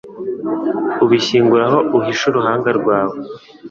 Ubishyingura aho uhisha uruhanga rwawe